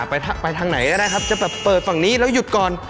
ไปไปทางไหนก็ได้ครับจะแบบเปิดฝั่งนี้แล้วหยุดก่อน